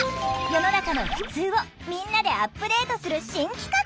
世の中の「ふつう」をみんなでアップデートする新企画！